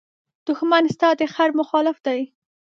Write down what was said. دښمن ستا د خېر مخالف دی